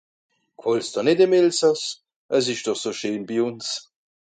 g'fàllst'r net im Elsàss ass esch doch so schéen bi uns